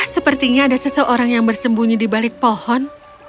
sepertinya ada seseorang yang bersembunyi di balik pohon